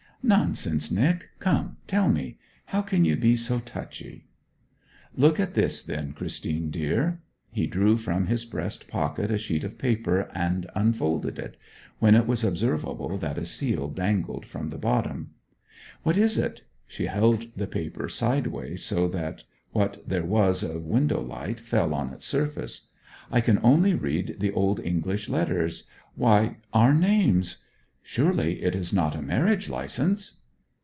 'Nonsense, Nic. Come, tell me. How can you be so touchy?' 'Look at this then, Christine dear.' He drew from his breast pocket a sheet of paper and unfolded it, when it was observable that a seal dangled from the bottom. 'What is it?' She held the paper sideways, so that what there was of window light fell on its surface. 'I can only read the Old English letters why our names! Surely it is not a marriage licence?'